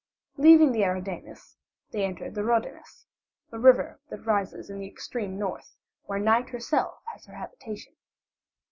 Leaving the Eridanus they entered the Rhodanus, a river that rises in the extreme north, where Night herself has her habitation.